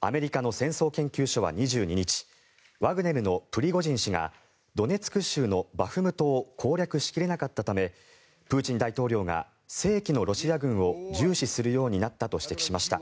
アメリカの戦争研究所は２２日ワグネルのプリゴジン氏がドネツク州のバフムトを攻略しきれなかったためプーチン大統領が正規のロシア軍を重視するようになったと指摘しました。